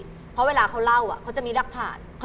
เพราะเวลาเขาเล่าเขาจะมีรักฐาน